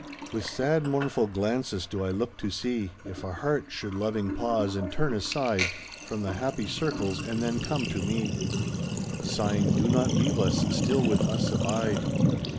With sad, mournful glances do I look to see If a heart should loving pause and turn aside From the happy circles and then come to me, Sighing, "Do not leave us — still with us abide.